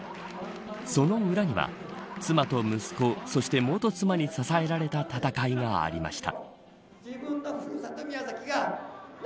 その裏には妻と息子そして、元妻に支えられた戦いがありました。